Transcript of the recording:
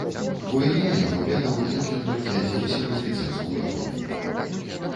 Бо і я яго ведаў, як ён толькі адзеўся ў афіцэрскую форму.